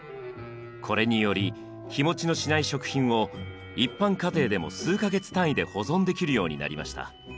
これにより日持ちのしない食品を一般家庭でも数か月単位で保存できるようになりました。